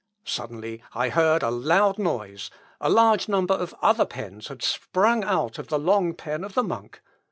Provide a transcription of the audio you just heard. Suddenly I heard a loud noise; a large number of other pens had sprung out of the long pen of the monk....